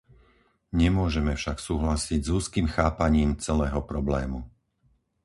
Nemôžeme však súhlasiť s úzkym chápaním celého problému.